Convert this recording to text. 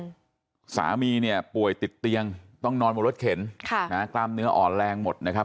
สามีเนี่ยป่วยติดเตียงต้องนอนบนรถเข็นค่ะนะฮะกล้ามเนื้ออ่อนแรงหมดนะครับ